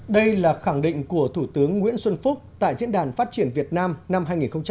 đây là khẳng định của thủ tướng nguyễn xuân phúc tại diễn đàn phát triển việt nam năm hai nghìn một mươi chín